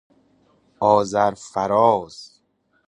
آذر فراز